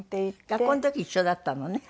学校の時一緒だったのね。